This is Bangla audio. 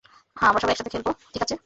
হ্যাঁ, আমরা সবাই একসাথে খেলব, ঠিক আছে।